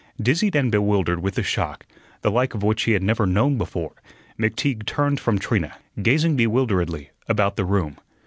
Dizzied and bewildered with the shock, the like of which he had never known before, McTeague turned from Trina, gazing bewilderedly about the room.